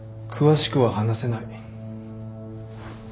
詳しくは話せない。